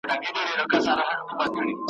ږغ مي اوری؟ دا زما چیغي در رسیږي؟ ,